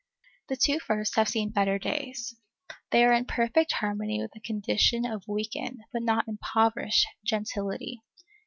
The two first have seen better days. They are in perfect harmony with the condition of weakened, but not impoverished, gentility.